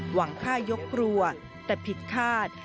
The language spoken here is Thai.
หวังฆ่ายกครัวแต่ผิดคาด